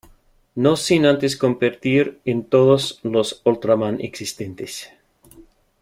No sin antes competir en todos los Ultraman existentes.